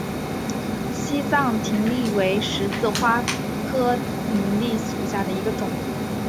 西藏葶苈为十字花科葶苈属下的一个种。